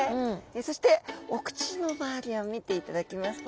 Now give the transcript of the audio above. そしてお口の周りを見ていただきますと。